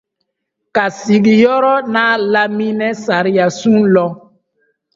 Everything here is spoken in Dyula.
Ka sigiyɔrɔ n'a lamini sariyasun lɔn ;